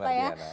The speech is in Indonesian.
betul mbak diana